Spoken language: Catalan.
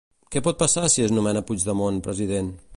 Què pot passar si es nomena Puigdemont president?